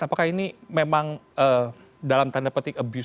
apakah ini memang dalam tanda petik abuse